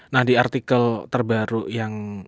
nah di artikel terbaru yang